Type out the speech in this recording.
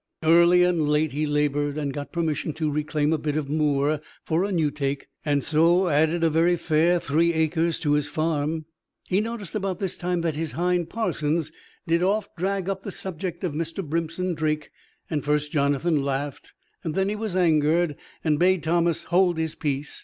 Early and late he labored, and got permission to reclaim a bit of moor for a "newtake," and so added a very fair three acres to his farm. He noticed about this time that his hind, Parsons, did oft drag up the subject of Miser Brimpson Drake; and first Jonathan laughed, and then he was angered, and bade Thomas hold his peace.